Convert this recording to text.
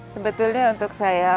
sebetulnya untuk saya